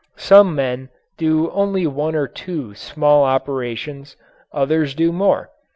Some men do only one or two small operations, others do more.